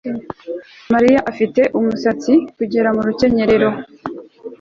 Mariya afite umusatsi kugeza mu rukenyerero